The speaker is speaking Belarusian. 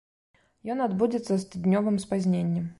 Ён адбудзецца з тыднёвым спазненнем.